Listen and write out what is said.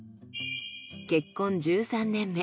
結婚１３年目。